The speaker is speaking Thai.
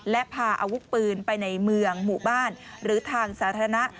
และพาอาวุธปืนไปในเมืองหมู่บ้านหรือทางสาธารณะ